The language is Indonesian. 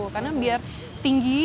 karena biar tinggi